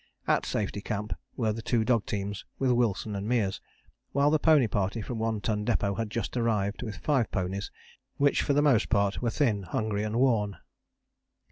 At Safety Camp were the two dog teams with Wilson and Meares, while the pony party from One Ton Depôt had just arrived with five ponies which were for the most part thin, hungry and worn.